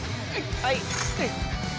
はい。